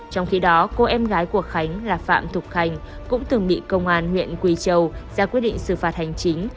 trong khi đó cô em gái của khánh là phạm thục khánh cũng từng bị công an huyện quỳ châu ra quyết định xử phạt hành chính